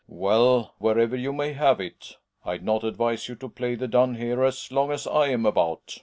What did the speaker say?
Reeling. Well, wherever you may have it, I'd no* advise you to play the dun here as long as I'm about.